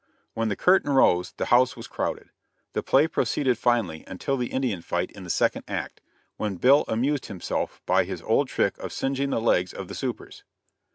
When the curtain rose the house was crowded. The play proceeded finely until the Indian fight in the second act, when Bill amused himself by his old trick of singeing the legs of the "supers."